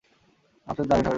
মাত্রই তো আগের টাকে ভাগালাম।